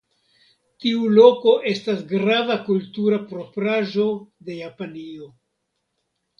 Tiu loko estas grava kultura propraĵo de Japanio.